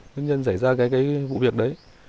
nhân dân xảy ra cái vụ việc đấy